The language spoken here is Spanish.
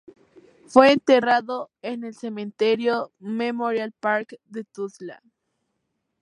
Fue enterrado en el Cementerio Memorial Park de Tulsa.